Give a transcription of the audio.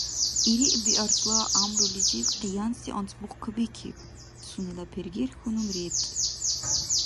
Ириъ Биарсла гӀямрулизиб къиянси анцӀбукь кабикиб — сунела пергер хьунул ребкӀиб.